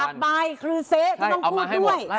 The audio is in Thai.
ตาบใบคฤเศษคุณต้องพูดด้วย